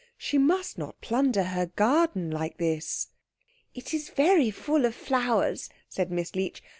"She must not plunder her garden like this." "It is very full of flowers," said Miss Leech.